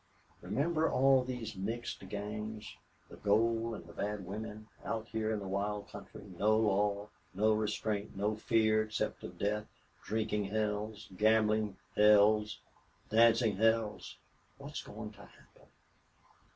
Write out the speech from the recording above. Remember all these mixed gangs the gold and the bad women out here in the wild country no law no restraint no fear, except of death drinking hells gambling hells dancing hells! What's going to happen?"